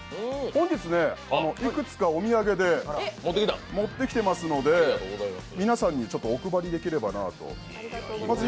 本日、いくつかお土産で持ってきていますので皆さんにちょっとお配りできればなと思っています。